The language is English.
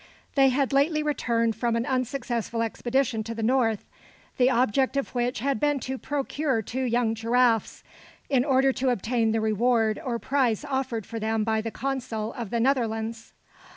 They had lately returned from an unsuccessful expedition to the north, the object of which had been to procure two young giraffes, in order to obtain the reward or price offered for them by the consul of the Netherlands.